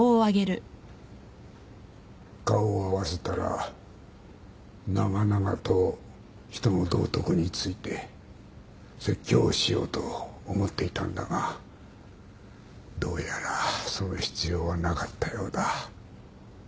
顔を合わせたら長々と人の道徳について説教しようと思っていたんだがどうやらその必要はなかったようだ。